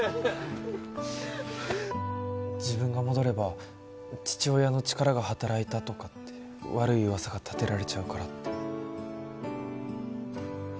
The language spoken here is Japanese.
自分が戻れば父親の力が働いたとかって悪い噂が立てられちゃうからって。